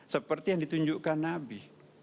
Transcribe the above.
seperti yang ditunjukkan nabi